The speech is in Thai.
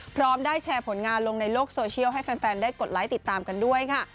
พร้อมได้แชร์ผลงานลงในโลกโซเชียลให้แฟนได้กดไลค์ติดตามกันด้วยค่ะ